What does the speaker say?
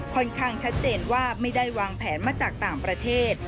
ค่อนข้างชัดเจนว่าไม่ได้วางแผนมาจากต่างประเทศ